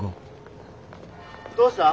どうした？